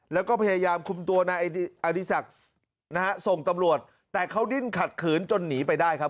และก็พยายามคุมตัวอาดิสักส่งตำรวจแต่เขาดิ้นขัดขืนจนหนีไปได้ครับ